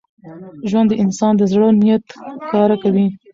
ژوند د انسان د زړه نیت ښکاره کوي.